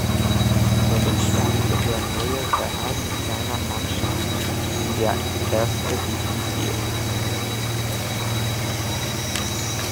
Somit startete der neue Verein mit seiner Mannschaft in der Eerste Divisie.